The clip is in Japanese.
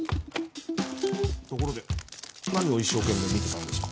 ところで何を一生懸命見てたんですか？